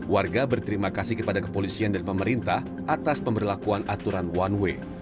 warga berterima kasih kepada kepolisian dan pemerintah atas pemberlakuan aturan one way